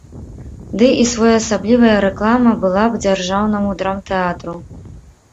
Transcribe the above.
Ды і своеасаблівая рэклама была б дзяржаўнаму драмтэатру.